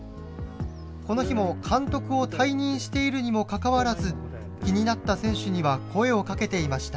この日も監督を退任しているにもかかわらず気になった選手には声をかけていました。